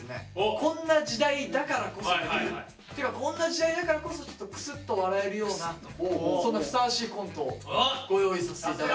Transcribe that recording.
こんな時代だからこそ。っていうかこんな時代だからこそちょっとクスッと笑えるようなそんなふさわしいコントをご用意させて頂いて。